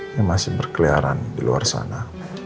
ini masih berkeliaran di luar sana